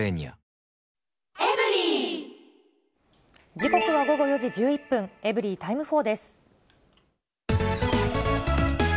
時刻は午後４時１１分、エブリィタイム４です。